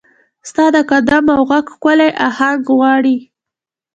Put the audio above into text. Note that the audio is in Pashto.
ستا د قدم او ږغ، ښکلې اهنګ غواړي